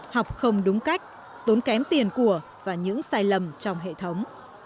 học không đúng cách tốn kém tiền của và những sai lầm trong hệ thống